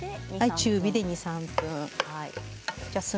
中火で２、３分です。